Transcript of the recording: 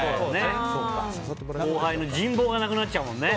後輩の人望がなくなっちゃうもんね。